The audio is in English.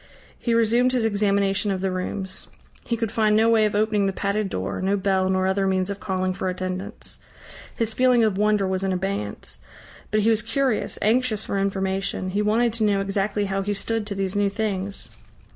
He resumed his examination of the rooms. He could find no way of opening the padded door, no bell nor other means of calling for attendance. His feeling of wonder was in abeyance; but he was curious, anxious for information. He wanted to know exactly how he stood to these new things.